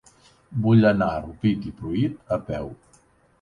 Vull anar a Rupit i Pruit a peu.